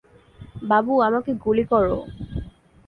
বাবু, আমাকে গুলি করো!